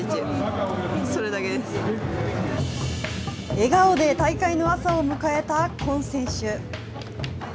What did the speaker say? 笑顔で大会の朝を迎えた今選手。